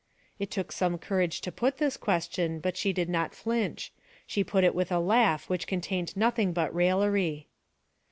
It took some courage to put this question, but she did not flinch; she put it with a laugh which contained nothing but raillery.